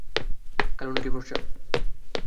কালো নাকি ফর্সা?